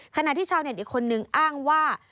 ขณะที่ชาวเน็ตอีกคนนึงอ้างว่า